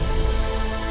untuk seorang yang besar